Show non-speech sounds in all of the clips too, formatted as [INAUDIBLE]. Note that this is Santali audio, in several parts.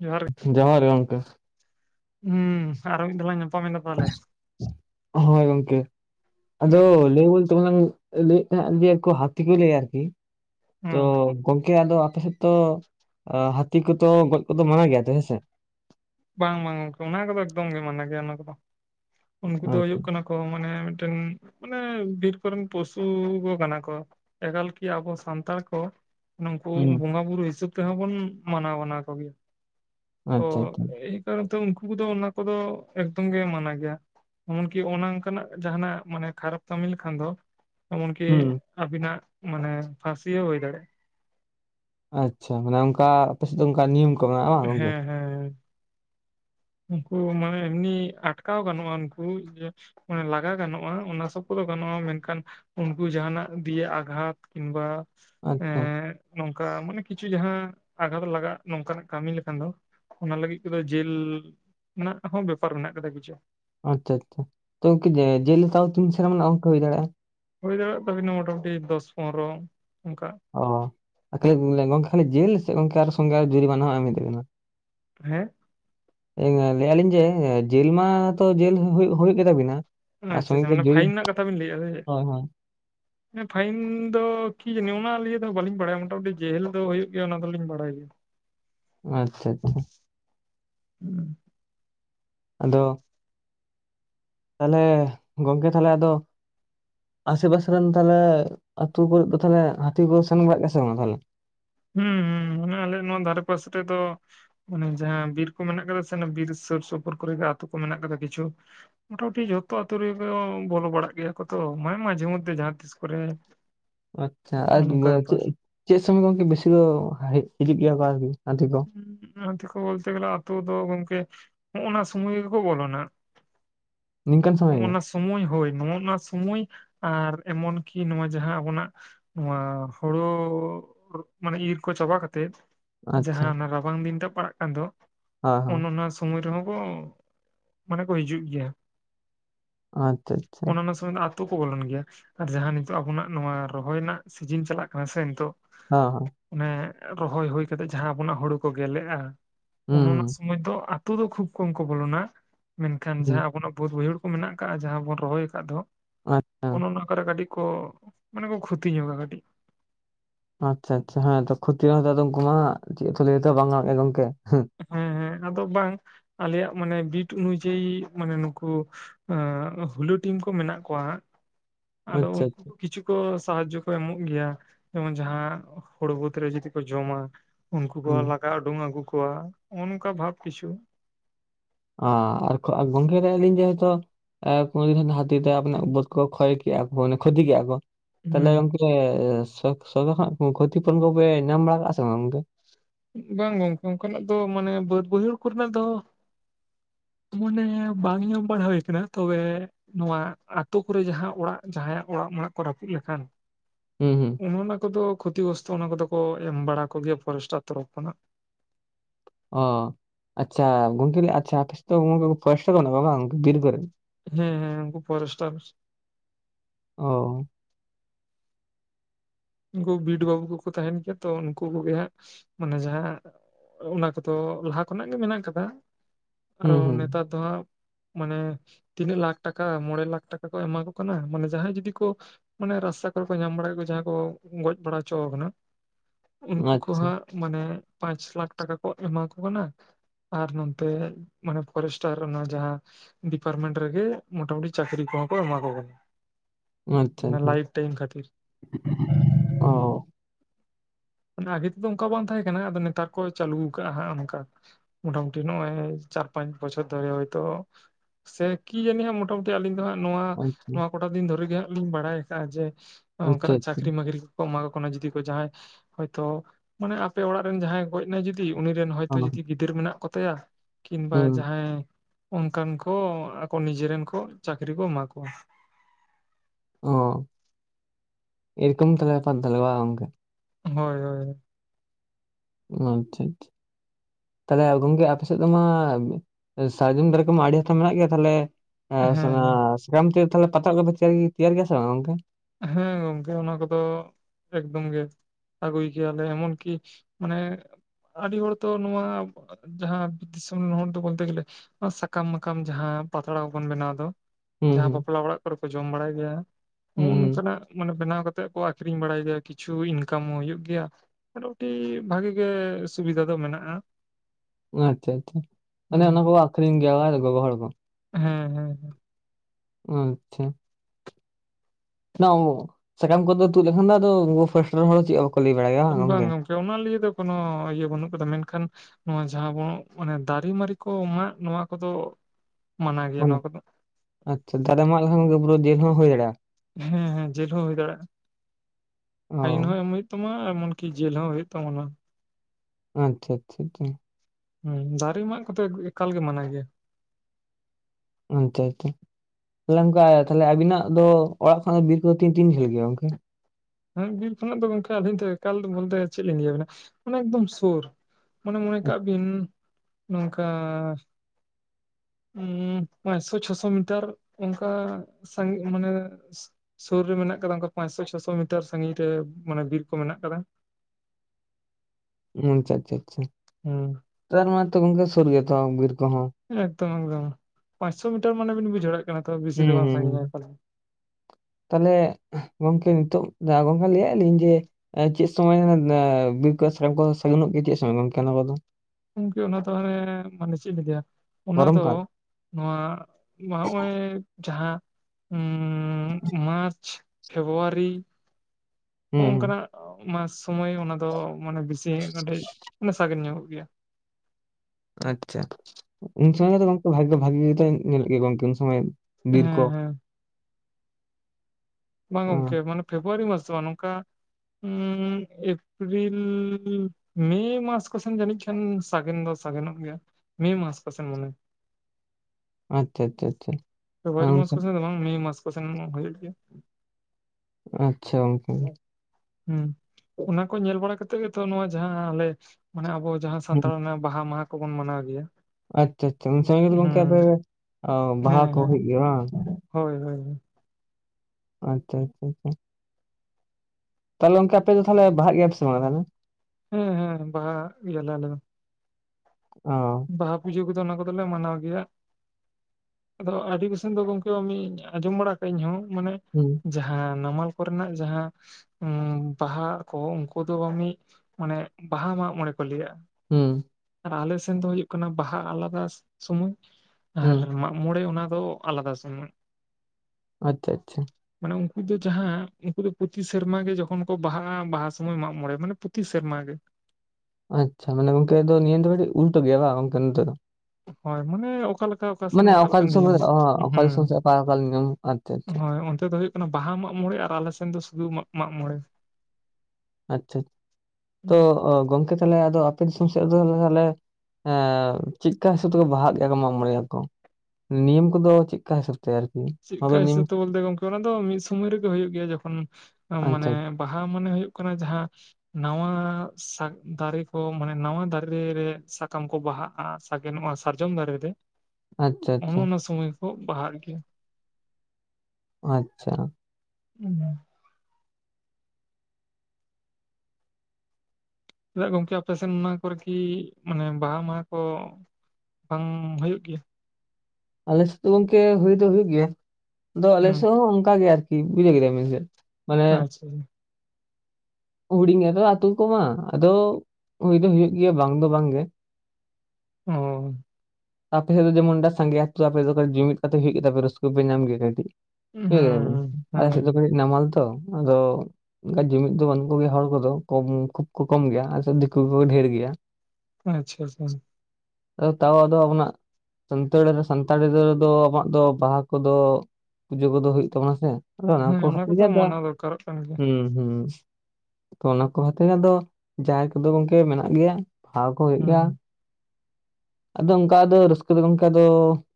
ᱡᱚᱦᱟᱨ ᱜᱮ ᱾ ᱡᱚᱦᱟᱨ ᱜᱚᱝᱠᱮ ᱾ ᱦᱩᱸ ᱟᱨ ᱢᱤᱫ ᱫᱷᱚᱞᱟᱝ ᱧᱟᱼᱼ ᱦᱚᱭ ᱜᱚᱝᱠᱮ ᱟᱫᱚ ᱦᱩᱸ ᱞᱟᱹᱭ ᱵᱚᱞᱛᱮ ᱦᱩᱱᱟᱝ ᱞᱟᱹᱭᱮᱫ ᱛᱟᱦᱮᱸ ᱜᱮᱭᱟᱠᱚ ᱦᱟᱛᱤ ᱠᱚ ᱞᱟᱹᱭᱟ ᱟᱨᱠᱤ ᱛᱚ ᱜᱚᱝᱠᱮ ᱟᱫᱚ ᱟᱯᱮ ᱥᱮᱫ ᱛᱚ ᱟᱺ ᱦᱟᱹᱛᱤ ᱠᱚᱫᱚ ᱜᱚᱡ ᱠᱚᱫᱚ ᱢᱟᱱᱟ ᱜᱮᱭᱟ ᱛᱚ ᱦᱮᱸ ᱥᱮ ᱵᱟᱝ ᱵᱟᱝ ᱜᱚᱝᱠᱮ ᱚᱱᱟ ᱠᱚᱫᱚ ᱮᱠᱫᱚᱢ ᱜᱮ ᱢᱟᱱᱟ ᱜᱮᱭᱟ ᱚᱱᱟ ᱠᱚᱫᱚ ᱩᱱᱠᱩ ᱫᱚ ᱟᱪᱪᱷᱟ ᱦᱩᱭᱩᱜ ᱠᱟᱱᱟᱼᱼ ᱠᱚ ᱢᱟᱱᱮ ᱢᱤᱫᱴᱮᱱ ᱢᱟᱱᱮ ᱵᱤᱨ ᱠᱚᱨᱮᱱ ᱯᱚᱥᱩ ᱠᱚ ᱠᱟᱱᱟ ᱠᱚ᱾ ᱮᱠᱟᱞ ᱠᱤ ᱟᱵᱚ ᱥᱟᱱᱛᱟᱲ ᱠᱚ ᱱᱩᱝᱠᱩ ᱦᱩᱸ ᱵᱚᱸᱜᱟ ᱵᱩᱨᱩ ᱦᱤᱥᱟᱹᱵᱽ ᱛᱮᱦᱚᱸ ᱵᱩᱱ ᱢᱟᱱᱟᱣ ᱵᱟᱱᱟᱣ ᱠᱚᱜᱮᱭᱟ ᱛᱚ ᱟᱪᱪᱷᱟ ᱟᱪᱪᱷᱟ ᱮᱭ ᱠᱟᱨᱚᱱ ᱛᱮ ᱩᱱᱠᱩ ᱠᱚᱫᱚ ᱚᱱᱟ ᱠᱚᱫᱚ ᱮᱠᱫᱚᱢ ᱜᱮ ᱢᱟᱱᱟ ᱜᱮᱭᱟ᱾ ᱮᱢᱚᱱ ᱠᱤ ᱚᱱᱟ ᱚᱱᱠᱟᱱᱟᱜ ᱡᱟᱦᱟᱱᱟᱜ ᱢᱟᱱᱮ ᱠᱷᱟᱨᱟᱯ ᱠᱟᱹᱢᱤ ᱞᱮᱠᱷᱟᱱ ᱫᱚ ᱮᱢᱚᱱ ᱠᱤ ᱦᱩᱸ ᱟᱵᱤᱱᱟᱜ ᱢᱟᱱᱮ ᱯᱷᱟᱥᱤ ᱦᱚᱸ ᱦᱩᱭ ᱫᱟᱲᱮᱜ ᱟᱪᱪᱷᱟ ᱢᱟᱱᱮ ᱚᱱᱠᱟ ᱟᱯᱮ ᱥᱮᱫ ᱫᱚ ᱚᱱᱠᱟ ᱱᱤᱭᱚᱢᱼᱼ ᱦᱮᱸ ᱦᱮᱸ ᱦᱮᱸ ᱩᱝᱠᱩ ᱢᱟᱱᱮ ᱮᱢᱱᱤ ᱟᱴᱠᱟᱣ ᱜᱟᱱᱚᱜ-ᱟ ᱩᱱᱠᱩ ᱡᱮ ᱢᱟᱱᱮ ᱞᱟᱜᱟ ᱜᱟᱱᱚᱜ-ᱟ ᱚᱱᱟ ᱥᱚᱯ ᱠᱚ ᱜᱟᱱᱚᱜ-ᱟ ᱢᱮᱱᱠᱷᱟᱱ ᱩᱱᱠᱩ ᱡᱟᱦᱟᱱᱟᱜ ᱫᱤᱭᱟ ᱟᱜᱷᱟᱛ ᱠᱤᱢᱵᱟ ᱟᱪᱪᱷᱟ ᱮᱸᱜ ᱱᱚᱝᱠᱟ ᱢᱟᱱᱮ ᱠᱤᱪᱷᱩ ᱡᱟᱦᱟᱸ ᱟᱜᱷᱟᱛ ᱞᱟᱜᱟᱜ-ᱟ ᱱᱚᱝᱠᱟᱱᱟᱜᱼᱼ ᱠᱟᱹᱢᱤ ᱞᱮᱠᱷᱟᱱ ᱫᱚ ᱚᱱᱟ ᱞᱟᱹᱜᱤᱫ ᱛᱮᱫᱚ ᱡᱮᱞ ᱨᱮᱱᱟᱜ ᱦᱚᱸ ᱵᱮᱯᱟᱨ ᱢᱮᱱᱟᱜ ᱟᱠᱟᱫᱟ ᱵᱩᱪᱟᱹᱜ ᱟᱪᱪᱷᱟ ᱟᱪᱪᱷᱟ ᱛᱚ ᱜᱚᱝᱠᱮ ᱡᱮ ᱡᱮᱞᱮᱠᱟ ᱛᱩᱧ ᱥᱟᱨᱟᱢ ᱱᱚᱜ-ᱚᱝ ᱠᱟ ᱦᱩᱭ ᱫᱟᱲᱮᱭᱟᱜ-ᱟ᱾ ᱦᱩᱭ ᱫᱟᱲᱮᱭᱟᱜ ᱛᱟᱵᱤᱱᱟ ᱢᱳᱴᱟᱢᱩᱴᱤ ᱫᱚᱥ ᱯᱚᱱᱨᱚ ᱚᱱᱠᱟ ᱚ ᱠᱷᱟᱞᱤ ᱜᱚᱝᱠᱨ ᱠᱷᱞᱤ ᱡᱮᱞ ᱥᱮ ᱜᱚᱝ ᱥᱚᱸᱜᱮ ᱡᱚᱨᱤᱢᱟᱱᱟ ᱦᱚᱸ ᱮᱢ ᱦᱩᱭᱩᱜ ᱛᱟᱵᱤᱱᱟ ᱦᱮᱸ ᱞᱟᱹᱭᱟ ᱜᱤᱧ ᱡᱮ ᱡᱮᱞ ᱢᱟ ᱛᱚ ᱡᱮᱞ ᱦᱩᱭ-ᱦᱩᱭ-ᱦᱩᱭ ᱞᱮᱫᱟᱵᱤᱱᱟ ᱟᱨ ᱟᱪᱪᱷᱟ ᱥᱜᱮ ᱟᱪᱪᱷᱟ ᱜᱮ ᱢᱟᱱᱮ ᱡᱩᱨᱤ ᱯᱷᱟᱭᱤᱱ ᱨᱮᱱᱟᱜ ᱠᱟᱛᱷᱟ ᱵᱤᱱ ᱞᱟᱹᱭᱮᱫᱼᱟ ᱥᱮ ᱪᱮᱫ? ᱦᱳᱭ ᱦᱳᱭ ᱦᱮᱸ ᱯᱷᱟᱭᱤᱱ ᱫᱚ ᱠᱤ ᱡᱟᱹᱱᱤᱡ ᱚᱱᱟ ᱞᱤᱭᱮ ᱫᱚ ᱵᱟᱹᱞᱤᱧ ᱵᱟᱲᱟᱭᱟ ᱢᱚᱴᱟᱢᱩᱴᱤ ᱡᱮᱞ ᱫᱚ ᱦᱩᱭᱩᱜ ᱜᱮᱭᱟ ᱚᱱᱟ ᱫᱚᱞᱤᱧ ᱵᱟᱲᱟᱭ ᱜᱮᱭᱟ ᱟᱪᱪᱷᱟ ᱟᱪᱪᱷᱟ ᱦᱩᱸ ᱟᱫᱚ ᱛᱟᱦᱞᱮ ᱜᱚᱝᱠᱮ ᱛᱟᱦᱞᱮ ᱟᱫᱚ ᱟᱥᱮ ᱯᱟᱥᱮᱱ ᱛᱟᱦᱞᱮ ᱟᱹᱛᱩ ᱠᱚᱨᱮ ᱫᱚ ᱛᱟᱦᱞᱮ ᱦᱟᱹᱛᱤ ᱠᱚ ᱥᱮᱱ ᱵᱟᱲᱟᱜ ᱜᱮᱭᱟ ᱥᱮ ᱵᱟᱝ ᱛᱟᱦᱞᱮ ᱦᱩᱸ ᱦᱩᱸ ᱢᱟᱱᱮ ᱟᱞᱮ ᱱᱚᱣᱟ ᱫᱷᱟᱨᱮ ᱯᱟᱥᱮ ᱨᱮᱫᱚ ᱢᱟᱱᱮ ᱡᱟᱦᱟᱸ ᱵᱤᱨ ᱠᱚ ᱢᱮᱱᱟᱜ ᱟᱠᱟᱫᱟ ᱥᱮ ᱵᱤᱨ ᱥᱩᱨ ᱥᱩᱯᱩᱨ ᱠᱚᱨᱮᱜ ᱟᱹᱛᱩ‌ ᱠᱚ ᱢᱮᱱᱟᱜ ᱠᱟᱫᱟ ᱠᱤᱪᱷᱩ ᱢᱚᱴᱟᱢᱩᱴᱤ ᱡᱷᱚᱛᱚ ᱟᱛᱳ ᱨᱮᱠᱚ ᱵᱚᱞᱚ ᱵᱟᱲᱟᱜ ᱜᱮᱭᱟ ᱠᱚ ᱛᱚᱮ ᱢᱟᱡᱷᱮ ᱢᱚᱫᱽᱫᱷᱮ ᱡᱟᱦᱟᱸ ᱛᱤᱥ ᱠᱚᱨᱮ ᱟᱪᱪᱷᱟ ᱟᱨ ᱱᱚᱜᱼᱚ ᱱᱚᱝᱠᱟ ᱵᱮᱯᱟᱨ ᱪᱮᱜ ᱪᱮᱜ ᱥᱚᱢᱚᱭ ᱜᱚᱝᱠᱮ ᱵᱮᱥᱤ ᱠᱚ ᱦᱤᱡᱩᱜ ᱜᱮᱭᱟ ᱠᱚ ᱦᱟ-ᱦᱟᱛᱤ ᱠᱚ ᱦᱟᱛᱤ ᱠᱚ ᱵᱚᱞᱛᱮ ᱜᱮᱞᱮ ᱟᱛᱳ ᱫᱚ ᱜᱚᱝᱠᱮ ᱚᱱᱟ ᱥᱩᱢᱚᱭ ᱜᱮᱠᱚ ᱵᱚᱞᱚᱱᱟ ᱱᱤᱝᱠᱟᱱ ᱥᱚᱢᱚᱭ ᱜᱮ ᱚᱱᱟ ᱥᱚᱢᱚᱭ ᱦᱳᱭ ᱱᱚᱜᱼᱚ ᱱᱚᱣᱟ ᱥᱚᱢᱚᱭ ᱟᱨ ᱮᱢᱚᱱ ᱠᱤ ᱱᱚᱣᱟ ᱡᱟᱦᱟᱸ ᱟᱵᱚᱱᱟᱜ ᱱᱚᱣᱟ ᱦᱳᱲᱳ ᱢᱟᱱᱮ ᱤᱨ ᱠᱚ ᱪᱟᱵᱟ ᱠᱟᱛᱮᱜ ᱟᱪᱪᱷᱟ ᱡᱟᱦᱟᱸ ᱨᱟᱵᱟᱝ ᱫᱤᱱ ᱴᱟᱜ ᱯᱟᱲᱟᱜ ᱠᱟᱱ ᱫᱚ ᱚᱱ ᱦᱚᱸ ᱚᱱᱟ ᱥᱚᱢᱚᱭ ᱨᱮᱦᱚᱸ ᱠᱚ ᱢᱟᱱᱮ ᱠᱚ ᱦᱤᱡᱩᱜ ᱜᱮᱭᱟ ᱟᱪᱪᱷᱟ ᱟᱪᱪᱷᱟ [UNINTELLIGIBLE] ᱟᱛᱳ ᱠᱚ ᱵᱚᱞᱚᱱ ᱜᱮᱭᱟ ᱟᱨ ᱡᱟᱦᱟᱸ ᱱᱤᱛᱚᱜ ᱟᱵᱚᱱᱟᱜ ᱱᱚᱣᱟ ᱨᱚᱦᱚᱭ ᱨᱮᱱᱟᱜ ᱥᱤᱡᱤᱱ ᱪᱟᱞᱟᱜ ᱠᱟᱱᱟ ᱥᱮ ᱱᱤᱛᱚᱜ [UNINTELLIGIBLE] ᱚᱱᱮ ᱨᱚᱦᱚᱭ ᱦᱩᱭ ᱠᱟᱛᱮᱜ ᱡᱟᱦᱟᱸ ᱦᱩᱲᱩ ᱠᱚ ᱜᱮᱞᱮᱜᱼᱟ ᱦᱚᱸ ᱚᱱᱮ ᱚᱱᱟ ᱥᱩᱢᱚᱭ ᱫᱚ ᱟᱸᱼᱼ ᱛᱳ ᱫᱚ ᱠᱷᱩᱵ ᱠᱚᱢ ᱠᱚ ᱵᱚᱞᱚᱱᱟ ᱢᱮᱱᱠᱷᱟᱱ ᱦᱩᱸ ᱦᱩᱸ ᱦᱩᱸ ᱡᱟᱦᱟᱸ ᱟᱵᱚᱱᱟᱜ ᱵᱟᱹᱫ ᱵᱟᱹᱭᱦᱟᱹᱲ ᱠᱚ ᱢᱮᱱᱟᱜ ᱟᱠᱟᱫ ᱡᱟᱦᱟᱸ ᱵᱚᱱ ᱨᱚᱦᱚᱭ ᱟᱠᱟᱫ ᱫᱚ, ᱟᱪᱪᱷᱟ ᱚᱱ ᱚᱱᱟ ᱠᱚᱨᱮᱜ ᱠᱟᱹᱴᱤᱡ ᱠᱚ ᱢᱟᱱᱮ ᱠᱚ ᱠᱷᱚᱛᱤ ᱧᱚᱜᱟ ᱠᱟᱹᱴᱤᱡ ᱟᱪᱪᱷᱟ ᱟᱪᱪᱷᱟ ᱦᱮᱸ ᱛᱚ ᱠᱷᱚᱛᱤ ᱩᱱᱠᱩ ᱢᱟ ᱪᱮᱫᱛᱚᱦᱚ ᱞᱟᱹᱭ ᱢᱟ ᱵᱟᱝ ᱜᱟᱱᱚᱜᱼᱟ ᱜᱚᱝᱠᱮ ᱦᱮᱸ ᱦᱮᱸ ᱦᱮᱸ ᱟᱫᱚ ᱵᱟᱝ ᱟᱞᱮᱭᱟᱜ ᱢᱟᱱᱮ ᱵᱤᱴ ᱚᱱᱩᱡᱟᱹᱭᱤ ᱢᱟᱱᱮ ᱱᱩᱠᱩ, ᱦᱩᱞᱩ ᱴᱤᱢᱠᱚ ᱢᱮᱱᱟᱜ ᱠᱚᱣᱟ ᱟᱫᱚ ᱟᱪᱪᱷᱟ ᱩᱱᱠᱩ ᱠᱚ ᱠᱤᱪᱷᱩ ᱠᱚ ᱥᱟᱦᱟᱡᱡᱚ ᱠᱚ ᱮᱢᱚᱜ ᱜᱮᱭᱟ ᱡᱮᱢᱚᱱ ᱡᱟᱦᱟᱸ ᱦᱩᱲᱩ ᱵᱟᱹᱫᱨᱮ ᱡᱚᱫᱤ ᱠᱚ ᱡᱚᱢᱟ᱾ ᱩᱱᱠᱩ ᱠᱚ ᱦᱩᱸ ᱞᱟᱜᱟ ᱩᱰᱩᱝ ᱟᱹᱜᱩ ᱠᱚᱣᱟ ᱚᱱᱚᱠᱟ ᱵᱷᱟᱵᱽ ᱠᱤᱪᱷᱩ ᱚ ᱟᱨ ᱜᱚᱝᱠᱮ ᱟᱹᱞᱤᱧ ᱡᱮᱦᱮᱛᱩ ᱮ ᱠᱩᱱᱨᱤᱱ ᱦᱟᱹᱤᱛᱮ ᱟᱱᱮᱱᱟᱜ ᱵᱟᱹᱫ ᱠᱚ ᱠᱷᱚᱭ ᱠᱮᱣᱟ ᱠᱚ ᱢᱟᱱᱮ ᱠᱷᱚᱛᱤ ᱠᱮᱣᱟᱠ ᱾ ᱛᱟᱦᱞᱮ ᱦᱩᱸ ᱜᱚᱝᱠᱮ ᱥᱚ ᱥᱚ ᱫᱚ ᱦᱟᱸᱜ ᱠᱷᱚᱛᱤ ᱯᱩᱨᱚᱱ ᱠᱚᱯᱮ ᱧᱟᱢ ᱵᱟᱲᱟ ᱠᱟᱜᱼᱟ ᱥᱮ ᱵᱟᱝ ᱜᱚᱝᱠᱮ ᱵᱟᱝ ᱜᱚᱝᱠᱮ ᱚᱱᱠᱟᱱᱟᱜ ᱫᱚ ᱢᱟᱱᱮ ᱵᱟᱹᱫᱽ ᱵᱟᱹᱭᱦᱟᱹᱲ ᱠᱚᱨᱮᱱᱟᱜ ᱫᱚ, ᱢᱚᱱᱮ ᱵᱟᱝ ᱧᱟᱢ ᱵᱟᱲᱟ ᱦᱩᱭ ᱠᱟᱱᱟ ᱛᱚᱵᱮ, ᱱᱚᱣᱟ ᱟᱛᱳ ᱠᱚᱨᱮ ᱡᱟᱦᱟᱸ ᱚᱲᱟᱜ ᱡᱟᱦᱟᱸᱭᱟᱜ ᱚᱲᱟᱜ ᱢᱚᱲᱟᱜᱼᱠ ᱨᱟᱹᱯᱩᱫ ᱞᱮᱠᱷᱟᱱ, ᱦᱩᱸ ᱦᱩᱸ ᱚᱱᱮ ᱚᱱᱟ ᱠᱚᱫᱚ ᱠᱷᱚᱛᱤ ᱜᱨᱚᱥᱛᱚ ᱚᱱᱟ ᱠᱚᱫᱚ ᱠᱚ ᱮᱢ ᱵᱟᱲᱟ ᱠᱚᱜᱮᱭᱟ ᱯᱷᱚᱨᱮᱥᱴᱟᱨ ᱛᱚᱨᱚᱯᱷ ᱠᱷᱚᱱᱟᱜ ᱾ ᱚ ᱟᱪᱪᱷᱟ ᱜᱚᱝᱠᱮ ᱟᱪᱪᱷᱟ ᱟᱯᱮ ᱥᱮᱫ ᱫᱚ ᱜᱚᱝᱠᱮ ᱯᱷᱚᱨᱮᱥᱴᱟᱨ ᱠᱚ ᱵᱟᱹᱱᱩᱜ ᱠᱚᱣᱟ ᱵᱤᱨ ᱠᱚᱨᱮ ᱦᱮᱸ ᱦᱮᱸ ᱩᱱᱠᱩ ᱯᱷᱚᱨᱮᱥᱴᱟᱨ ᱚ ᱩᱱᱠᱩ ᱵᱤᱴ ᱵᱟᱹᱵᱩ ᱠᱚᱠᱚ ᱛᱟᱦᱮᱱ ᱜᱮᱭᱟ ᱛᱚ ᱩᱱᱠᱩ ᱠᱚᱜᱮ ᱦᱟᱸᱜ ᱢᱟᱱᱮ ᱡᱟᱦᱟᱸ, ᱚᱱᱟ ᱠᱚᱫᱚ ᱞᱟᱦᱟ ᱠᱷᱚᱱᱟᱜ ᱜᱮ ᱢᱮᱱᱟᱜ ᱟᱠᱟᱫᱟ ᱟᱨᱚ ᱦᱩᱸ ᱦᱩᱸ ᱱᱮᱛᱟᱨ, ᱛᱚ ᱦᱟᱸᱜ ᱢᱟᱱᱮ ᱛᱤᱱᱟᱹᱜ ᱞᱟᱠᱷ ᱴᱟᱠᱟ ᱢᱚᱬᱮ ᱞᱟᱠᱷ ᱴᱟᱠᱟ ᱠᱚ ᱮᱢᱟ ᱠᱚ ᱠᱟᱱᱟ ᱢᱟᱱᱮ ᱡᱟᱦᱟᱸᱭ ᱡᱩᱫᱤ ᱠᱚ, ᱢᱟᱱᱮ ᱨᱟᱥᱛᱟ ᱠᱚᱨᱮ ᱠᱚ ᱧᱟᱢ ᱵᱟᱲᱟᱮᱫ ᱠᱚ ᱡᱟᱦᱟᱸᱭ ᱠᱚ ᱜᱚᱡ ᱵᱟᱲᱟ ᱦᱚᱪᱚ ᱠᱟᱱᱟ ᱩᱱᱠᱩ ᱠᱚ ᱟᱪᱪᱷᱟ ᱦᱟᱸᱜᱼᱼ ᱢᱟᱱᱮ ᱯᱟᱸᱪ ᱞᱟᱠᱷ ᱴᱟᱠᱟ ᱠᱚ ᱮᱢᱟ ᱠᱚ ᱠᱟᱱᱟ, ᱟᱨ ᱱᱚᱛᱮ ᱢᱟᱱᱮ ᱯᱚᱨᱮᱥᱴᱟᱨ ᱚᱱᱟ ᱡᱟᱦᱟᱸᱼᱼ ᱰᱤᱯᱟᱨᱢᱮᱱᱴ ᱨᱮᱜᱮ ᱢᱳᱴᱟᱢᱩᱴᱤ ᱪᱟᱹᱠᱨᱤ ᱠᱚᱦᱚᱸ ᱠᱚ ᱮᱢᱟ ᱠᱚ ᱠᱟᱱᱟ᱾ ᱟᱪᱪᱷᱟ ᱚᱱᱟ ᱟᱪᱪᱷᱟ ᱞᱟᱭᱤᱯᱷ ᱴᱟᱭᱤᱢ ᱠᱷᱟᱹᱛᱤᱨ ᱚᱻ ᱟᱜᱮ ᱛᱮᱫᱚ ᱚᱱᱠᱟ ᱵᱟᱝ ᱛᱟᱦᱮᱸ ᱠᱟᱱᱟ ᱟᱫᱚ ᱱᱮᱛᱟᱨ ᱠᱚ ᱪᱟᱹᱞᱩ ᱟᱠᱟᱣᱟᱼᱦᱟᱸᱜ ᱚᱱᱠᱟ᱾ ᱢᱚᱴᱟ ᱢᱩᱴᱤ ᱱᱚᱜᱼᱚᱭ ᱪᱟᱨ ᱯᱟᱸᱪ ᱵᱚᱪᱪᱷᱚᱨ ᱫᱷᱚᱨᱮ ᱦᱚᱭᱛᱳ ᱥᱮ ᱠᱤ ᱡᱟᱹᱱᱤ ᱢᱚᱴᱟᱢᱩᱴᱤ ᱟᱹᱞᱤᱧ ᱫᱚ ᱦᱟᱸᱜ ᱱᱚᱣᱟ ᱟᱪᱪᱷᱟ ᱱᱚᱣᱟ ᱠᱚᱴᱟ ᱫᱤᱱ ᱫᱷᱚᱨᱮ ᱜᱮ ᱦᱟᱸᱜ ᱞᱤᱧ ᱵᱟᱲᱟᱭ ᱟᱠᱟᱫᱼᱟ ᱡᱮ ᱟᱪᱪᱷᱟ ᱚᱱᱠᱟᱱᱟᱜ ᱟᱪᱪᱷᱟ ᱪᱟᱹᱠᱨᱤ ᱢᱟᱹᱠᱨᱤᱼᱼ ᱮᱢᱟ ᱠᱚ ᱠᱟᱱᱟ ᱡᱩᱫᱤ ᱠᱚ ᱡᱟᱦᱟᱸᱭ ᱦᱚᱭᱛ ᱢᱟᱱᱮ ᱟᱯᱮ ᱚᱲᱟᱜ ᱨᱮᱱ ᱡᱟᱦᱟᱸᱭ ᱜᱚᱡ ᱱᱟᱭ ᱡᱩᱫᱤᱼᱼ ᱡᱩᱫᱤ ᱩᱱᱤ ᱨᱮᱱ ᱦᱚᱭᱛ ᱚ ᱡᱩᱫᱤ ᱜᱤᱫᱟᱹᱨ ᱢᱮᱱᱟᱜ ᱠᱚᱛᱟᱭᱟ ᱠᱤᱝᱵᱟ ᱦᱩᱸ ᱡᱟᱦᱟᱸᱭᱼᱼ ᱚᱱᱠᱟᱱ ᱠᱚ ᱟᱠᱚ ᱱᱤᱡᱮᱨᱮᱱ ᱠᱚ ᱪᱟᱹᱠᱨᱤ ᱠᱚ ᱮᱢᱟ ᱠᱚᱣᱟ᱾ ᱚ ᱤᱨᱚᱠᱚᱢ ᱛᱟᱦᱚᱞᱮ ᱵᱮᱯᱟᱨ ᱛᱟᱦᱚᱞᱮ ᱵᱟᱝ ᱜᱚᱝᱠᱮ ᱦᱳᱭ ᱦᱳᱭ ᱟᱪᱪᱷᱟ ᱟᱪᱪᱷᱟ, ᱛᱟᱦᱞᱮ ᱜᱚᱝᱠᱮ ᱟᱯᱮ ᱥᱮᱫ ᱫᱚ ᱢᱟ ᱥᱟᱨᱡᱚᱢ ᱫᱟᱨᱮ ᱠᱚᱢᱟ ᱟᱹᱰᱤ ᱦᱟᱛᱟᱣ ᱢᱮᱱᱟᱜ ᱜᱮᱭᱟ ᱛᱟᱦᱞᱮᱼᱼ ᱟᱨ ᱥᱟ ᱦᱮᱸ ᱦᱮᱸ ᱥᱟᱠᱟᱢ ᱛᱮ ᱛᱟᱦᱚᱞᱮ ᱯᱟᱛᱲᱟ ᱠᱚᱯᱮ ᱛᱮᱭᱟᱨ ᱜᱮᱭᱟ ᱥᱮ ᱵᱟᱝ ᱜᱚᱝᱠᱮ ᱦᱮᱸ ᱜᱚᱝᱠᱮ ᱚᱱᱟ ᱠᱚᱫᱚ ᱮᱠᱫᱚᱢ ᱜᱮ, ᱟᱹᱜᱩᱭ ᱜᱮᱭᱟᱞᱮ ᱮᱢᱟᱱ ᱠᱤ ᱢᱟᱱᱮ ᱟᱹᱰᱤ ᱦᱚᱲᱛᱚ ᱱᱚᱣᱟᱼᱼ ᱡᱟᱦᱟᱸ ᱵᱤᱨ ᱫᱤᱥᱚᱢ ᱨᱮᱱ ᱦᱚᱲ ᱫᱚ ᱵᱚᱞᱛᱮ ᱜᱮᱞᱮ ᱥᱟᱠᱟᱢ ᱢᱟᱠᱟᱢ ᱡᱟᱦᱟᱸ ᱯᱟᱛᱲᱟ ᱠᱚᱵᱚᱱ ᱵᱮᱱᱟᱣ ᱫᱚ, ᱦᱩᱸ ᱡᱟᱦᱟᱸ ᱦᱩᱸ ᱵᱟᱯᱞᱟ ᱚᱲᱟᱜ ᱠᱚᱨᱮ ᱠᱚ ᱡᱚᱢ ᱵᱟᱲᱟᱭ ᱜᱮᱭᱟ᱾ ᱦᱩᱸ ᱱᱚᱝᱠᱟᱱᱟᱜ ᱢᱟᱱᱮ ᱵᱮᱱᱟᱣ ᱠᱟᱛᱮᱜ ᱠᱚ ᱟᱠᱷᱨᱤᱧ ᱵᱟᱲᱟᱭ ᱜᱮᱭᱟ ᱠᱤᱪᱷᱩ ᱤᱱᱠᱟᱢ ᱦᱚᱸ ᱦᱩᱭᱩᱜ ᱜᱮᱭᱟ᱾ ᱨᱩᱴᱤ ᱵᱷᱟᱜᱤ ᱜᱮ ᱥᱩᱵᱤᱫᱷᱟ ᱫᱚ ᱢᱮᱱᱟᱜᱼᱟ᱾ ᱟᱪᱪᱷᱟ ᱟᱪᱪᱷᱟ ᱦᱩᱸ ᱢᱟᱱᱮ ᱚᱱᱟ ᱠᱚ ᱟᱠᱷᱨᱤᱧ ᱜᱮᱭᱟ ᱜᱚᱜᱚ ᱦᱚᱲ ᱠᱚ᱾ ᱦᱮᱸ, ᱦᱮᱸ ᱦᱮᱸ᱾ ᱟᱪᱪᱷᱟ᱾ ᱥᱟᱠᱟᱢ ᱠᱚᱫᱚ ᱛᱩᱫ ᱞᱮᱱᱠᱷᱟᱱ ᱫᱚ ᱟᱫᱚ ᱩᱱᱠᱩ ᱵᱩᱨᱩ ᱯᱷᱮᱲ ᱨᱮᱱ ᱦᱚᱲ ᱪᱮᱫ ᱦᱚᱸ ᱵᱟᱠᱚ ᱵᱟᱝ ᱜᱚᱝᱠᱮ, ᱚᱱᱟ ᱞᱤᱭᱮ ᱫᱚ ᱠᱳᱱᱳ ᱤᱭᱟᱹ ᱵᱟᱹᱱᱩᱜ ᱠᱟᱫᱟ ᱢᱮᱱᱠᱷᱟᱱ ᱱᱚᱣᱟ ᱡᱟᱦᱟᱸ ᱟᱵᱚ ᱢᱟᱱᱮ ᱫᱟᱨᱮ ᱢᱟᱨᱮ ᱠᱚ ᱢᱟᱜ ᱱᱚᱣᱟ ᱠᱚᱫᱚ ᱢᱟᱱᱟ ᱜᱮᱭᱟ ᱵᱟᱝ, ᱱᱚᱣᱟ ᱠᱚᱫᱚ᱾ ᱟᱪᱪᱷᱟ, ᱫᱟᱨᱮ ᱢᱟᱜ ᱞᱮᱠᱷᱟᱱ ᱜᱮ ᱯᱩᱨᱟᱹ ᱡᱮᱞ ᱦᱚᱸ ᱦᱩᱭ ᱫᱟᱲᱮᱜ-ᱟ᱾ ᱦᱮᱸ ᱦᱮᱸ, ᱡᱮᱞ ᱦᱚᱸ ᱦᱩᱭ ᱫᱟᱲᱮᱜ-ᱟ᱾ ᱯᱷᱟᱭᱤᱱ ᱚ ᱦᱚᱸ ᱮᱢ ᱦᱩᱭᱩᱜ ᱛᱩᱢᱟ ᱮᱢᱚᱱ ᱠᱤ ᱡᱮᱞ ᱦᱚᱸ ᱦᱩᱭᱩᱜ ᱛᱟᱵᱚᱱᱟ᱾ ᱟᱪᱪᱷᱟ ᱟᱪᱪᱷᱟ ᱟᱪᱪᱷᱟ᱾ ᱦᱮᱸ, ᱫᱟᱨᱮ ᱢᱟᱜ ᱠᱚᱫᱚ ᱮᱠᱟᱞ ᱜᱮ ᱢᱟᱱᱟ ᱜᱮᱭᱟ᱾ ᱟᱪᱪᱷᱟ ᱟᱪᱪᱷᱟ ᱟᱪᱪᱷᱟ ᱾ ᱛᱟᱦᱚᱞᱮ ᱚᱱᱠᱟ ᱛᱟᱦᱚᱞᱮ ᱟᱹᱵᱤᱱᱟᱜ ᱫᱚ ᱚᱲᱟᱜ ᱠᱷᱚᱱᱟᱜ ᱫᱚ ᱵᱤᱨ ᱠᱚᱫᱚ ᱛᱤᱱ ᱛᱤᱱ ᱡᱷᱟᱹᱞ ᱜᱮᱭᱟ ᱜᱚᱝᱠᱮ? ᱦᱮᱸ, ᱵᱤᱨ ᱠᱷᱚᱱᱟᱜ ᱫᱚ ᱜᱚᱝᱠᱮ ᱟᱹᱞᱤᱧ ᱫᱚ ᱮᱠᱟᱞ ᱫᱚ ᱵᱚᱞᱛᱮ ᱪᱮᱫ ᱞᱤᱧ ᱞᱟᱹᱭᱟᱵᱤᱱᱟ ᱢᱟᱱᱮ ᱮᱠᱫᱚᱢ ᱥᱩᱨ᱾ ᱢᱚᱱᱮ ᱢᱚᱱᱮ ᱠᱟᱜ ᱵᱤᱱ ᱱᱚᱝᱠᱟ ᱩᱸ, ᱯᱟᱸᱪᱥᱚ ᱪᱷᱚᱥᱚ ᱢᱤᱴᱟᱨ ᱚᱱᱠᱟ ᱥᱟᱸᱜᱤ ᱢᱟᱱᱮ ᱥᱩᱨ ᱨᱮ ᱢᱮᱱᱟᱜ ᱟᱠᱟᱫᱟ ᱚᱱᱠᱟ ᱯᱟᱸᱪᱥᱚ ᱪᱷᱚᱥᱚ ᱢᱤᱴᱟᱨ ᱥᱟᱺᱜᱤᱧ ᱨᱮ ᱢᱟᱱᱮ ᱵᱤᱨ ᱠᱚ ᱢᱮᱱᱟᱜ ᱟᱠᱟᱫᱟ᱾ ᱩᱸ, ᱟᱪᱪᱷᱟ ᱟᱪᱪᱷᱟ ᱟᱪᱪᱷᱟ᱾ ᱦᱩᱸ᱾ ᱛᱟᱨ ᱢᱟᱱᱮ ᱛᱚ ᱜᱚᱝᱠᱮ ᱥᱩᱨ ᱜᱮᱭᱟ ᱛᱚ ᱵᱤᱨ ᱠᱚᱦᱚᱸ᱾ ᱮᱠᱫᱚᱢ ᱮᱠᱫᱚᱢ, ᱯᱟᱸᱪᱥᱚ ᱢᱤᱴᱟᱨ ᱢᱟᱱᱮ ᱵᱤᱱ ᱵᱩᱡᱷᱟᱹᱣ ᱫᱟᱲᱮᱭᱟᱜ ᱠᱟᱱᱟ ᱛᱚ ᱵᱮᱥᱤ ᱦᱩᱸ ᱫᱚ ᱵᱟᱝ ᱦᱩᱸ ᱥᱟᱺᱜᱤᱧᱟ ᱦᱩᱸ᱾ ᱯᱟᱞᱮᱱ᱾ [INAUDIBLE] ᱛᱟᱦᱚᱞᱮ ᱜᱚᱝᱠᱮ ᱱᱤᱛᱚᱜ ᱫᱚ ᱜᱚᱝᱠᱮ ᱞᱟᱹᱭᱮᱫ ᱞᱤᱧ ᱡᱮ ᱪᱮᱫ ᱥᱚᱢᱚᱭ ᱚᱱᱮ ᱮᱸ ᱵᱤᱨ ᱠᱚᱨᱮ ᱥᱟᱠᱟᱢ ᱠᱚ ᱥᱟᱹᱜᱩᱱᱚᱜ ᱜᱮᱭᱟ ᱪᱮᱫ ᱥᱚᱢᱚᱭ ᱜᱚᱝᱠᱮ ᱚᱱᱟ ᱠᱚᱫᱚ? ᱜᱚᱝᱠᱮ ᱚᱱᱟ ᱫᱚ ᱦᱟᱱᱮ ᱢᱟᱱᱮ ᱪᱮᱫ ᱤᱧ ᱞᱟᱹᱭᱟ ᱚᱱᱟ ᱜᱚᱨᱚᱢ ᱫᱚ ᱠᱟᱞ? ᱱᱚᱣᱟ ᱱᱚᱜ-ᱚᱭ ᱡᱟᱦᱟᱸ ᱩᱸᱻ ᱢᱟᱨᱪ ᱯᱷᱮᱵᱚᱣᱟᱨᱤ ᱦᱩᱸ ᱦᱩᱸ ᱦᱚᱸᱜ-ᱚᱝᱠᱟᱱᱟᱜ ᱢᱟᱥ ᱥᱚᱢᱚᱭ ᱚᱱᱟ ᱫᱚ ᱢᱟᱱᱮ ᱵᱮᱥᱤ ᱠᱟᱹᱴᱤᱡ ᱢᱟᱱᱮ ᱥᱟᱹᱜᱮᱱ ᱧᱚᱜᱚᱜ ᱜᱮᱭᱟ᱾ ᱟᱪᱪᱷᱟ ᱾ ᱩᱱ ᱥᱚᱢᱚᱭ ᱫᱚ ᱦᱮᱸ ᱜᱚᱝᱠᱮ ᱵᱷᱟᱜᱮ ᱵᱷᱟᱜᱤ ᱜᱮᱛᱚ ᱧᱮᱞᱚᱜ ᱜᱮᱭᱟ ᱜᱚᱝᱠᱮ ᱩᱱ ᱥᱚᱢᱚᱭ᱾ ᱵᱤᱨ ᱠᱚ ᱦᱮᱸ ᱵᱟᱝ ᱚᱸ ᱜᱚᱝᱠᱮ, ᱢᱟᱱᱮ ᱯᱷᱮᱵᱽᱣᱟᱨᱤ ᱢᱟᱥ ᱫᱚ ᱵᱟᱝ ᱱᱚᱝᱠᱟ ᱩᱸᱻ ᱮᱯᱨᱤᱞ ᱢᱮ ᱢᱟᱥ ᱠᱚᱥᱮᱱ ᱡᱟᱹᱱᱤᱡ ᱠᱷᱟᱱ ᱥᱟᱹᱜᱮᱱ ᱫᱚ ᱥᱟᱹᱜᱮᱱᱚᱜ ᱜᱮᱭᱟ, ᱢᱮ ᱢᱟᱥ ᱠᱚᱥᱮᱱ ᱢᱟᱱᱮ᱾ ᱟᱪᱪᱷᱟ ᱟᱪᱪᱷᱟ ᱟᱪᱪᱷᱟ᱾ ᱦᱮᱸ ᱯᱷᱮᱵᱨᱩᱣᱟᱨᱤ ᱩᱱ ᱢᱟᱥ ᱥᱚᱢ ᱠᱚᱥᱮᱱ ᱫᱚ ᱵᱟᱝ ᱢᱮ ᱢᱟᱥ ᱠᱚᱥᱮᱱ ᱦᱩᱭᱩᱜ ᱜᱮᱭᱟ᱾ ᱟᱪᱪᱷᱟ, ᱜᱚᱝᱠᱮ᱾ ᱦᱩᱸ, ᱚᱱᱟ ᱠᱚ ᱧᱮᱞ ᱵᱟᱲᱟ ᱠᱟᱛᱮ ᱜᱮᱛᱚ ᱱᱚᱣᱟ ᱡᱟᱦᱟᱸ ᱟᱞᱮ ᱢᱟᱱᱮ ᱟᱵᱚ ᱡᱟᱦᱟᱸ ᱦᱩᱸ᱾ ᱥᱟᱱᱛᱟᱲ ᱨᱮᱱᱟᱜ ᱵᱟᱦᱟ ᱢᱟᱦᱟᱸ ᱠᱚᱵᱚᱱ ᱢᱟᱱᱟᱣ ᱜᱮᱭᱟ᱾ ᱟᱪᱪᱷᱟ ᱟᱪᱪᱷᱟ ᱾ᱩᱱ ᱥᱚᱢᱚᱭ ᱜᱮ ᱜᱚᱝᱠᱮ ᱦᱮᱸ ᱟᱯᱮ ᱵᱟᱦᱟ ᱦᱮᱸ ᱠᱚ ᱦᱮᱸ ᱦᱩᱭᱩᱜ ᱜᱮᱭᱟ ᱵᱟᱝ? ᱦᱳᱭ, ᱦᱳᱭ ᱦᱳᱭ᱾ ᱟᱪᱪᱷᱟ ᱟᱪᱪᱷᱟ ᱟᱪᱪᱷᱟ᱾ ᱛᱟᱦᱚᱞᱮ ᱜᱚᱝᱠᱮ ᱟᱯᱮ ᱫᱚ ᱛᱟᱦᱚᱞᱮ ᱵᱟᱦᱟᱜ ᱜᱮᱭᱟᱯᱮ ᱥᱮ ᱵᱟᱝᱟ ᱛᱟᱦᱚᱞᱮ? ᱦᱮᱸ ᱦᱮᱸ, ᱵᱟᱦᱟᱜ ᱜᱮᱭᱟ ᱞᱮ ᱟᱞᱮ ᱦᱚᱸ᱾ ᱚ᱾ ᱵᱟᱦᱟ ᱯᱩᱡᱟᱹ ᱠᱚᱫᱚ ᱚᱱᱟ ᱠᱚᱫᱚ ᱞᱮ ᱢᱟᱱᱟᱣ ᱜᱮᱭᱟ᱾ ᱟᱫᱚ ᱟᱹᱰᱤ ᱠᱚ ᱥᱮᱱ ᱫᱚ ᱜᱚᱝᱠᱮ ᱟᱸᱢᱤᱡ ᱟᱸᱡᱚᱢ ᱵᱟᱲᱟ ᱠᱟᱜ-ᱟᱹᱧ ᱤᱧᱦᱚᱸ ᱢᱟᱱᱮ ᱦᱩᱸ ᱾ ᱡᱟᱦᱟᱸ ᱱᱟᱢᱟᱞ ᱠᱚᱨᱮᱱᱟᱜ ᱡᱟᱦᱟᱸ ᱵᱟᱦᱟ ᱟᱠᱚ ᱩᱱᱠᱩ ᱫᱚ ᱢᱤᱫ ᱢᱟᱱᱮ ᱵᱟᱦᱟ ᱢᱟᱜ ᱢᱚᱬᱮ ᱠᱚ ᱞᱟᱹᱭᱟ-ᱟ᱾ ᱦᱩᱸ ᱾ ᱟᱨ ᱟᱞᱮ ᱥᱮᱱ ᱫᱚ ᱦᱩᱭᱩᱜ ᱠᱟᱱᱟ ᱵᱟᱦᱟ ᱟᱞᱟᱫᱟ ᱥᱚᱢᱚᱭ ᱟᱨ ᱦᱩᱸ᱾ ᱢᱟᱜ ᱢᱚᱬᱮ ᱚᱱᱟ ᱫᱚ ᱟᱞᱟᱫᱟ ᱥᱚᱢᱚᱭ ᱾ ᱟᱪᱪᱷᱟ ᱟᱪᱪᱷᱟ ᱾ ᱢᱟᱱᱮ ᱩᱱᱠᱩ ᱫᱚ ᱡᱟᱦᱟᱸ ᱩᱱᱠᱩ ᱫᱚ ᱯᱨᱚᱛᱤ ᱥᱮᱨᱢᱟ ᱜᱮ ᱡᱚᱠᱷᱚᱱ ᱠᱚ ᱵᱟᱦᱟᱜ-ᱟ, ᱵᱟᱦᱟ ᱥᱚᱢᱚᱭ ᱢᱟᱜ ᱢᱚᱬᱮ, ᱢᱟᱱᱮ ᱯᱚᱛᱤ ᱥᱮᱨᱢᱟ ᱜᱮ᱾ ᱟᱪᱪᱷᱟ ᱢᱟᱱᱮ ᱜᱚᱝᱠᱮ ᱫᱚ ᱱᱤᱭᱟᱹ ᱫᱚ ᱠᱟᱹᱴᱤᱡ ᱩᱞᱴᱟᱹ ᱜᱮᱭᱟ ᱵᱟᱝ, ᱜᱚᱢᱠᱮ ᱱᱚᱛᱮ ᱫᱚ? ᱦᱳᱭ ᱢᱟᱱᱮ ᱚᱠᱟ ᱞᱮᱠ ᱛᱚ ᱚᱠᱟ ᱢᱟᱱᱮ ᱥᱮᱱ ᱚᱠᱟ ᱞᱮᱠᱟᱱ ᱫᱤᱥᱚᱢ ᱱᱤᱭᱚᱢ ᱨᱮ ᱚ ᱦᱟᱸᱜ ᱚᱠᱟ ᱫᱤᱥᱚᱢ ᱥᱮᱫ ᱚᱠᱟ ᱚᱠᱟ ᱱᱤᱭᱚᱢ ᱟᱪᱪᱷᱟ ᱦᱩᱸ ᱟᱪᱪᱷᱟ ᱦᱳᱭ ᱚᱱᱛᱮ ᱫᱚ ᱦᱩᱭᱩᱜ ᱠᱟᱱᱟ ᱵᱟᱦᱟ ᱢᱟᱜ ᱢᱚᱬᱮ ᱟᱨ ᱟᱞᱮ ᱥᱮᱱ ᱫᱚ ᱥᱩᱫᱩ ᱢᱟᱜ ᱢᱟᱜ ᱢᱚᱬᱮ ᱾ ᱟᱪᱪᱷᱟ ᱛᱚ ᱚᱸ ᱜᱚᱝᱠᱮ ᱛᱟᱦᱚᱞᱮ ᱟᱯ ᱟᱯᱮ ᱫᱤᱥᱟᱹᱢ ᱥᱮᱫ ᱫᱚ ᱛᱟᱦᱚᱞᱮ ᱪᱮᱫᱠᱟ ᱦᱤᱥᱟᱹᱵ ᱛᱮᱠᱚ ᱵᱟᱦᱟ ᱜᱮᱭᱟ ᱠᱚ ᱢᱟᱜ ᱢᱚᱬᱮ ᱟᱠᱚ? ᱱᱤᱭᱚᱢ ᱠᱚᱫᱚ ᱪᱮᱫ ᱠᱟ ᱦᱤᱥᱟᱹᱵ? ᱛᱮ ᱟᱨᱠᱤ ᱪᱮᱫ ᱱᱚᱣᱟ ᱫᱚ ᱠᱟ ᱱᱤᱢ ᱦᱤᱥᱟᱹᱵ ᱛᱮ ᱵᱚᱞᱛᱮ ᱜᱚᱢᱠᱮ ᱚᱱᱟ ᱫᱚ ᱢᱤᱫ ᱥᱚᱢᱚᱭ ᱨᱮᱜᱮ ᱦᱩᱭᱩᱜ ᱜᱮᱭᱟ, ᱡᱚᱠᱷᱚᱱ ᱟᱪᱪᱷᱟ ᱢᱟᱱᱮ ᱵᱟᱦᱟ ᱢᱟᱱᱮ ᱦᱩᱭᱩᱜ ᱠᱟᱱᱟ ᱡᱟᱦᱟᱸ ᱱᱟᱶᱟ ᱥᱟᱠ ᱫᱟᱨᱮ ᱠᱚ ᱢᱟᱱᱮ ᱱᱟᱣᱟ ᱫᱟᱨᱮ ᱨᱮ ᱥᱟᱠᱟᱢ ᱠᱚ ᱵᱟᱦᱟᱜ ᱥᱟᱜᱮᱱᱚᱜ-ᱟ ᱥᱟᱨᱡᱚᱢ ᱫᱟᱨᱮ ᱨᱮ ᱟᱪᱪᱷᱟ ᱚᱱᱮ ᱟᱪᱪᱷᱟ ᱚᱱᱟ ᱥᱚᱢᱚᱭ ᱜᱮᱠᱚ ᱵᱟᱦᱟᱜ ᱜᱮᱭᱟ᱾ ᱟᱪᱪᱷᱟ᱾ [UNINTELLIGIBLE] ᱪᱮᱫᱟᱜ ᱜᱚᱝᱠᱮ ᱟᱯᱮ ᱥᱮᱱ ᱚᱱᱟ ᱠᱚᱨᱮᱠᱤ ᱢᱟᱱᱮ ᱢᱟᱦᱟ ᱢᱟᱦᱟ ᱠᱚ ᱵᱟᱝ ᱦᱩᱭᱩᱜ ᱜᱮᱭᱟ᱾ ᱟᱞᱮ ᱥᱮᱫ ᱫᱚ ᱜᱚᱝᱠᱮ ᱦᱩᱭ ᱫᱚ ᱦᱩᱭᱩᱜ ᱜᱮᱭᱟ, ᱟᱫᱚ ᱟᱞᱮ ᱦᱩᱸ ᱥᱮᱫ ᱦᱚᱸ ᱚᱱᱠᱟ ᱜᱮ ᱟᱨᱠᱤ ᱵᱩᱡᱷᱟᱹᱣ ᱠᱮᱫᱟ ᱵᱤᱱ ᱥᱮ ᱾ ᱟᱪᱪᱷᱟ ᱾ ᱦᱩᱰᱤᱧ ᱜᱮᱭᱟ ᱥᱮ ᱟᱛᱩ ᱠᱚᱢᱟ ᱟᱫᱚ ᱦᱩᱭ ᱫᱚ ᱦᱩᱭᱩᱜ ᱜᱮᱭᱟ ᱵᱟᱝ ᱫᱚ ᱵᱟᱝᱜᱮ ᱾ ᱚᱻ ᱟᱯᱮ ᱥᱮᱫ ᱫᱚ ᱡᱮᱢᱚᱱ ᱥᱟᱸᱜᱮ ᱟᱹᱛᱩ ᱟᱯᱮ ᱡᱩᱢᱤᱫ ᱠᱟᱛᱮ ᱦᱩᱭᱩᱜ ᱜᱮᱭᱟ ᱟᱯᱮ ᱨᱟᱹᱥᱠᱟᱹ ᱯᱮ ᱧᱟᱢ ᱜᱮᱭᱟ ᱠᱟᱹᱴᱤᱡ ᱾ ᱦᱩᱸ ᱵᱩᱡᱷᱟᱹᱣ ᱠᱮᱫᱟ ᱵᱤᱱ ᱥᱮ, ᱦᱮᱸ ᱟᱞᱮ ᱥᱮᱫ ᱫᱚ ᱟᱪᱪᱷᱟ ᱠᱟᱹᱴᱤᱡ ᱱᱟᱢᱟᱞ ᱛᱚ, ᱟᱫᱚ ᱚᱱᱠᱟ ᱡᱩᱢᱤᱫ ᱫᱚ ᱵᱟᱹᱱᱩᱜ ᱠᱚᱜᱮᱭᱟ ᱦᱚᱲ ᱠᱚᱫᱚ ᱠᱚ ᱠᱷᱩᱵ ᱠᱚ ᱠᱚᱢ ᱜᱮᱭᱟ ᱟᱞᱮ ᱥᱮᱫ ᱫᱤᱠᱩ ᱠᱚᱠᱚ ᱰᱷᱮᱨ ᱜᱮᱭᱟ᱾ ᱟᱪᱪᱷᱟ ᱾ ᱟᱫᱚ ᱛᱟᱣ ᱟᱫᱚ ᱚᱱᱟ ᱥᱟᱱᱛᱟᱲᱤ ᱥᱟᱱᱛᱟᱲᱤ ᱨᱮᱫᱚ ᱟᱢᱟᱜ ᱫᱚ ᱵᱟᱦᱟ ᱠᱚᱫᱚ ᱯᱩᱡᱟᱹ ᱠᱚᱫᱚ ᱦᱩᱭᱩᱜ ᱛᱟᱵᱚᱱᱟ ᱥᱮ᱾ ᱚᱱᱟ ᱦᱮᱸ ᱠᱚ ᱠᱷᱟᱹᱛᱤᱨ ᱜᱮ ᱠᱚᱫᱚ ᱟᱫᱚ, ᱢᱟᱱᱟᱣ ᱫᱚᱨᱠᱟᱨᱚᱜ ᱠᱟᱱ ᱜᱮᱭᱟ ᱦᱩᱸ ᱦᱩᱸ ᱛᱚ ᱚᱱᱟᱠᱚ ᱠᱷᱟᱹᱛᱤᱨ ᱜᱮ ᱟᱫᱚ ᱡᱟᱦᱮᱨ ᱠᱚᱫᱚ ᱜᱚᱝᱠᱮ ᱢᱮᱱᱟᱜ ᱜᱮᱭᱟ ᱵᱟᱦᱟᱣ ᱠᱚ ᱦᱩᱭᱩᱜ ᱜᱮᱭᱟ᱾ ᱦᱩᱸ ᱟᱫᱚ ᱚᱱᱠᱟ ᱫᱚ ᱨᱟᱹᱥᱠᱟᱹ ᱫᱚ ᱜᱚᱝᱠᱮ ᱚᱱᱠᱟ ᱫᱚ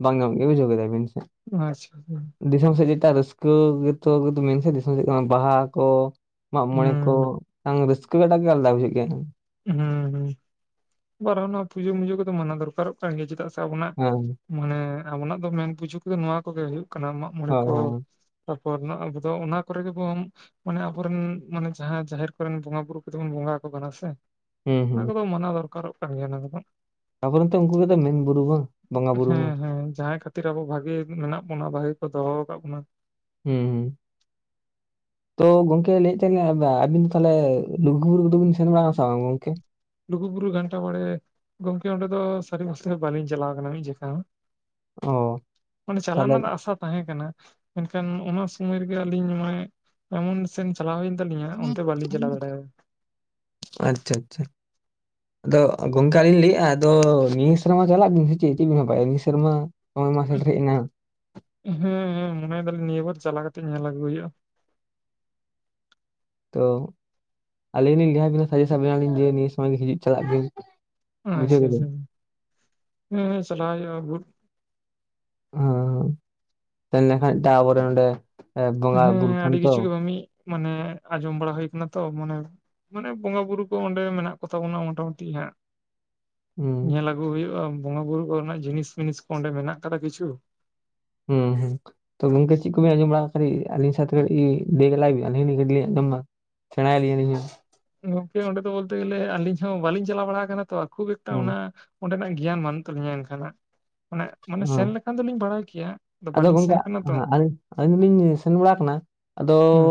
ᱵᱟᱝ ᱧᱟᱢ ᱜᱮᱭᱟ ᱵᱩᱡᱷᱟᱹᱣ ᱠᱮᱫᱟ ᱵᱤᱱ ᱥᱮ᱾ ᱟᱪᱪᱷᱟ ᱾ ᱫᱤᱥᱚᱢ ᱥᱮᱫ ᱡᱮᱴᱟ ᱨᱟᱹᱥᱠᱟᱹ ᱜᱮᱛᱚ ᱢᱮᱱᱠᱷᱟᱱ ᱫᱤᱥᱚᱢ ᱥᱮᱫ ᱠᱟᱱᱟ ᱵᱟᱦᱟ ᱠᱚ ᱢᱟᱜ ᱢᱚᱬᱮ ᱠᱚ ᱦᱩᱸ ᱵᱟᱝ ᱨᱟᱹᱥᱠᱟᱹᱴᱟᱜ ᱜᱮ ᱟᱞᱟᱫᱟ ᱵᱩᱡᱷᱟᱹᱜ ᱜᱮᱭᱟ ᱾ ᱦᱮᱸ ᱦᱮᱸ ᱟᱨᱦᱚᱸ ᱱᱚᱣᱟ ᱯᱩᱡᱟᱹ ᱢᱩᱡᱟᱹ ᱠᱚᱫᱚ ᱢᱟᱱᱟ ᱫᱚᱨᱠᱟᱨᱚᱜ ᱠᱟᱱ ᱜᱮᱭᱟ ᱪᱮᱫᱟᱜ ᱥᱮ ᱟᱵᱚᱱᱟᱜ ᱦᱳᱭ ᱢᱟᱱᱮ ᱟᱵᱚᱱᱟᱜ ᱫᱚ ᱢᱮᱱ ᱯᱩᱡᱟᱹ ᱠᱚᱜᱮ ᱱᱚᱣᱟ ᱠᱚᱜᱮ ᱦᱩᱭᱩᱜ ᱠᱟᱱᱟ ᱢᱟᱜ ᱢᱚᱬᱮ ᱠᱚ ᱦᱳᱭ ᱾ ᱛᱟᱯᱚᱨ ᱦᱮᱱᱟᱜ ᱠᱟᱫᱟ ᱚᱱᱟ ᱠᱚᱨᱮ ᱜᱮᱵᱚᱱ ᱢᱟᱱᱮ ᱟᱵᱚᱨᱮᱱ ᱢᱟᱱᱮ ᱡᱟᱦᱟ ᱡᱟᱦᱮᱨ ᱠᱚᱨᱮᱱ ᱵᱚᱸᱜᱟ ᱵᱩᱨᱩ ᱠᱚᱫ ᱵᱚᱱ ᱵᱚᱸᱜᱟ ᱟᱠᱚ ᱠᱟᱱᱟ ᱥᱮ ᱦᱩᱸ ᱚᱱᱟ ᱦᱩᱸ ᱠᱚᱫᱚ ᱢᱟᱱᱟᱣ ᱫᱚᱨᱠᱟᱨᱚᱜ ᱠᱟᱱ ᱜᱮᱭᱟ ᱚᱱᱟ ᱠᱚᱫᱚ᱾ ᱛᱟᱯᱚᱨᱮᱛᱮ ᱩᱱᱠᱩ ᱠᱚ ᱢᱮᱱ ᱵᱩᱨᱩ ᱵᱟᱝ ᱵᱚᱸᱜᱟ ᱵᱩᱨᱩ ᱢᱟ᱾ ᱦᱮᱸ ᱦᱮᱸ ᱡᱟᱦᱟᱸᱭ ᱠᱷᱟᱹᱛᱤᱨ ᱟᱵᱚ ᱵᱷᱟᱜᱤ ᱢᱮᱱᱟᱜ ᱵᱚᱱᱟ ᱵᱷᱟᱜᱤ ᱠᱚ ᱫᱚᱦᱚ ᱟᱠᱟᱫ ᱵᱚᱱᱟ᱾ ᱦᱩᱸ [INAUDIBLE] ᱛᱚ ᱜᱚᱝᱠᱮ ᱞᱟᱹᱭᱮᱫ ᱛᱟᱦᱮᱤᱧ ᱟᱵᱤᱱ ᱫᱚ ᱛᱟᱦᱚᱞᱮ ᱞᱩᱜᱩᱵᱩᱨᱩ ᱠᱚᱫᱚᱵᱤᱱ ᱥᱮᱱ ᱵᱟᱲᱟᱱᱟ ᱥᱮ ᱵᱟᱝ ᱜᱚᱝᱠᱮ? ᱞᱩᱜᱩᱵᱩᱨᱩ ᱜᱷᱟᱱᱴᱟ ᱵᱟᱲᱮ ᱜᱚᱝᱠᱮ ᱚᱸᱰᱮ ᱫᱚ ᱥᱟᱹᱨᱤ ᱢᱚᱥᱮ ᱫᱚ ᱵᱟᱹᱞᱤᱧ ᱪᱟᱞᱟᱣ ᱟᱠᱟᱱᱟ ᱢᱤᱫ ᱡᱮᱠᱟ ᱦᱚ᱾ ᱚ ᱢᱟᱱᱮ ᱪᱟᱞᱟᱜ ᱛᱟᱦᱚᱞᱮ ᱨᱮᱱᱟᱜ ᱫᱚ ᱟᱥᱟ ᱛᱟᱦᱮᱸ ᱠᱟᱱᱟ᱾ ᱢᱮᱱᱠᱷᱟᱱ ᱚᱱᱟ ᱥᱳᱢᱟᱹᱭ ᱨᱮᱜᱮ ᱟᱹᱞᱤᱧ ᱱᱚᱜᱼᱚᱭ ᱮᱢᱚᱱ ᱥᱮᱱ ᱪᱟᱞᱟᱣ ᱦᱩᱭᱮᱱ ᱛᱟᱹᱞᱤᱧᱟ ᱚᱱᱛᱮ ᱵᱟᱞᱤᱧ ᱪᱟᱞᱟᱣ ᱫᱟᱲᱮᱭᱟᱫᱟ᱾ ᱟᱪᱪᱷᱟ ᱟᱪᱪᱷᱟ ᱟᱫᱚ ᱜᱚᱝᱠᱮ ᱟᱞᱤᱧ ᱞᱟᱹᱭᱮᱫᱼᱟ, ᱟᱫᱚ ᱱᱤᱭᱟᱹ ᱥᱮᱨᱢᱟ ᱪᱟᱞᱟᱜ ᱵᱤᱱ ᱥᱮ ᱪᱮᱫ ᱪᱮᱫ ᱵᱟᱭ ᱱᱤᱭᱟᱹ ᱥᱮᱨᱢᱟ᱾ ᱦᱚᱸᱜᱼᱚᱭ ᱢᱟ [UNINTELLIGIBLE] ᱦᱮᱡ ᱮᱱᱟ᱾ ᱦᱮᱸ ᱦᱮᱸ ᱢᱚᱱᱮᱭ ᱫᱟᱞᱤᱧ ᱱᱤᱭᱟᱹ ᱵᱟᱨ ᱪᱟᱞᱟᱣ ᱠᱟᱛᱮ ᱧᱮᱞ ᱟᱹᱜᱩ ᱦᱩᱭᱩᱜᱼᱟ᱾ ᱛᱚ ᱟᱹᱞᱤᱧ ᱞᱟᱹᱭᱟᱵᱮᱱᱟ ᱥᱟᱡᱮᱥᱴᱟ ᱵᱮᱱᱟᱞᱤᱧ ᱡᱮ ᱱᱤᱭᱟᱹ ᱥᱚᱢᱚᱭ ᱜᱤ ᱦᱤᱡᱩᱜ ᱪᱟᱞᱟᱜ ᱵᱤᱱ᱾ ᱵᱩᱡᱷᱟᱹᱣ ᱟᱪᱪᱷᱟ ᱠᱮᱫᱟ ᱟᱪᱪᱷᱟ ᱦᱮᱸ ᱪᱟᱞᱟᱜ ᱦᱩᱭᱩᱜᱼᱟ, ᱜᱩ ᱦᱚᱸ ᱥᱮᱱ ᱞᱮᱱ ᱠᱷᱟᱱ ᱴᱟᱵᱚᱨ ᱨᱮ ᱚᱸᱰᱮ, ᱵᱚᱸᱜᱟ ᱵᱩᱨᱩ ᱦᱮᱸ ᱠᱷᱟᱱ ᱟᱹᱰᱤ ᱛᱚ ᱠᱤᱪᱷᱩ ᱜᱮ ᱢᱟ ᱢᱤᱜ, ᱢᱟᱱᱮ ᱟᱸᱡᱚᱢ ᱵᱟᱲᱟ ᱦᱩᱭ ᱟᱠᱟᱱᱟ ᱛᱚ, ᱢᱟᱱᱮ ᱢᱟᱱᱮ ᱵᱚᱸᱜᱟ ᱵᱩᱨᱩ ᱠᱚ ᱚᱸᱰᱮ ᱢᱮᱱᱟᱜ ᱠᱚ ᱛᱟᱵᱚᱱᱟ ᱢᱚᱴᱟ ᱢᱩᱴᱤ ᱦᱟᱸᱜ᱾ ᱦᱩᱸ ᱧᱮᱞ ᱟᱹᱜᱩ ᱦᱩᱭᱩᱜᱼᱟ ᱵᱚᱸᱜᱟ ᱵᱩᱨᱩ ᱠᱚᱨᱮᱱᱟᱜ ᱡᱤᱱᱤᱥᱢᱤᱱᱤᱥ ᱠᱚ ᱚᱸᱰᱮ ᱢᱮᱱᱟᱜ ᱟᱠᱟᱫᱟ ᱠᱤᱪᱷᱩ᱾ ᱦᱩᱸ ᱦᱩᱸ ᱛᱚ ᱜᱚᱝᱠᱮ ᱪᱮᱫ ᱠᱚᱵᱤᱱ ᱟᱸᱡᱚᱢ ᱵᱟᱲᱟ ᱠᱟᱹᱴᱤᱡ ᱟᱹᱞᱤᱧ ᱥᱟᱣ ᱛᱮ ᱠᱟᱹᱴᱤᱜ ᱫᱮᱞᱟᱭᱵᱤᱱ ᱟᱹᱞᱤᱧ ᱦᱚᱞᱤᱧ ᱠᱟᱹᱴᱤᱜ ᱞᱤᱧ ᱟᱸᱡᱚᱢᱟ᱾ ᱥᱮᱬᱟ ᱭᱟᱞᱤᱧ ᱟᱞᱤᱧ ᱦᱚᱸ᱾ ᱜᱚᱝᱠᱮ ᱚᱸᱰᱮ ᱫᱚ ᱵᱚᱞᱛᱮ ᱜᱮᱞᱮ ᱟᱹᱞᱤᱧ ᱦᱚᱸ ᱵᱟᱹᱞᱤᱧ ᱪᱟᱞᱟᱣ ᱵᱟᱲᱟ ᱟᱠᱟᱱᱟ ᱛᱚ ᱠᱷᱩᱵ ᱮᱠᱴᱟ ᱦᱩᱸ ᱚᱱᱟ ᱚᱸᱰᱮᱱᱟᱜ ᱜᱮᱭᱟᱱ ᱵᱟᱹᱱᱩᱜ ᱛᱟᱹᱞᱤᱧᱟ ᱮᱱᱠᱷᱱᱟᱜ᱾ ᱦᱩᱸ ᱠᱮᱭᱟ ᱟᱫᱚ ᱵᱟᱹᱞᱤᱧ ᱜᱚᱝᱠᱮ ᱥᱮᱱ ᱟᱠᱟᱱᱟ ᱛᱚ ᱟᱹᱞᱤᱧ ᱫᱚᱞᱤᱧ ᱥᱮᱱ ᱵᱟᱲᱟ ᱠᱟᱱᱟ? ᱟᱫᱚ ᱦᱩᱸ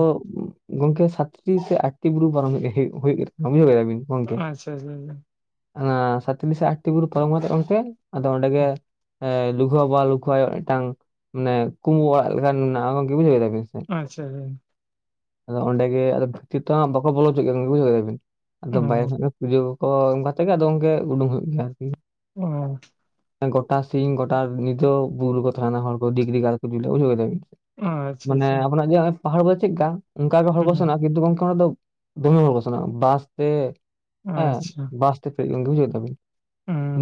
ᱜᱚᱝᱠᱮ ᱥᱟᱛᱴᱤ ᱥᱮ ᱟᱴᱴᱤ ᱵᱩᱨᱩ ᱵᱟᱨᱚᱢ ᱢᱤᱫ ᱦᱩᱭᱩᱜ ᱵᱩᱡᱷᱟᱹᱣ ᱠᱮᱫᱟ ᱵᱤᱱ? ᱜᱚᱝᱠᱮ ᱟᱪᱪᱷᱟ ᱟᱪᱪᱷᱟ [UNINTELLIGIBLE] ᱚᱱᱟ ᱥᱟᱛ ᱴᱤ ᱥᱮ ᱟᱴᱴᱤ ᱵᱩᱨᱩ ᱯᱟᱨᱚᱢ ᱠᱟᱛᱮ ᱚᱱᱛᱮ, ᱟᱫᱚ ᱚᱸᱰᱮ ᱜᱮ ᱦᱮᱸ ᱞᱩᱠᱷᱩ ᱦᱚᱸ ᱵᱟ ᱞᱩᱠᱷᱩᱣ ᱟᱭᱳ ᱢᱤᱫᱴᱟᱝ ᱢᱟᱱᱮ ᱠᱩᱢᱵᱩ ᱚᱲᱟᱜ ᱞᱮᱠᱟᱱ ᱢᱮᱱᱟᱜᱼᱟ᱾ ᱜᱚᱝᱠᱤ ᱵᱩᱡᱷᱟᱹᱣᱟᱵᱤᱱ ᱥᱮ? ᱟᱪᱪᱷᱟ ᱟᱪᱪᱷᱟ᱾ ᱟᱫᱚ ᱚᱸᱰᱮᱜᱮ ᱟᱫᱚ ᱵᱷᱤᱛᱤᱨ ᱛᱚᱜ ᱵᱟᱠᱚ ᱵᱚᱞᱚ ᱦᱚᱪᱚ ᱜᱮᱭᱟ ᱵᱩᱡᱟᱹᱣ ᱠᱮᱫᱟᱵᱤᱱ? ᱟᱫᱚ ᱚ ᱵᱟᱭᱨᱮ ᱯᱩᱡᱟᱹ ᱠᱚᱠᱚ ᱮᱢ ᱠᱟᱛᱮᱫ ᱜᱮ ᱟᱫᱚ ᱜᱚᱝᱠᱮ ᱩᱰᱩᱝ ᱦᱩᱭᱩᱜ ᱜᱮᱭᱟ ᱟᱨᱠᱤ᱾ ᱚᱻ ᱜᱚᱴᱟ ᱥᱤᱝ ᱜᱚᱴᱟ ᱱᱤᱫᱟᱹ ᱦᱚ ᱵᱩᱨᱩ ᱨᱮᱠᱚ ᱛᱟᱦᱮᱸᱱᱟ ᱦᱚᱲ ᱠᱚ ᱰᱤᱜᱽᱨᱤ ᱜᱟᱞ ᱠᱚ ᱡᱩᱞᱮᱫ ᱵᱩᱡᱷᱟᱣ ᱠᱮᱫᱟ ᱵᱤᱱ ᱥᱮ ᱟᱪᱪᱷᱟ ᱢᱟᱱᱮ ᱟᱪᱪᱷᱟ ᱟᱵᱚᱱᱟᱜ ᱡᱮ-ᱚᱭ ᱯᱟᱦᱟᱲ ᱠᱚᱫᱚ ᱪᱮᱫᱞᱮᱠᱟ ᱚᱱᱠᱟᱜᱮ ᱦᱚᱲ ᱠᱚ ᱦᱩᱸ ᱥᱮᱱᱚᱜᱼᱟ, ᱠᱤᱱᱛᱩ ᱜᱚᱝᱠᱮ ᱚᱱᱟ ᱫᱚ ᱫᱚᱢᱮ ᱦᱚᱲ ᱠᱚ ᱥᱮᱱᱚᱜᱼᱟ ᱵᱟᱥ ᱛᱮ ᱦᱮᱸ ᱟᱪᱪᱷᱟ ᱵᱟᱥ ᱛᱮ ᱯᱷᱮᱡ ᱜᱤ ᱵᱩᱡᱷᱟᱹᱣ ᱠᱮᱫᱟᱵᱮᱱ᱾ ᱦᱩᱸ᱾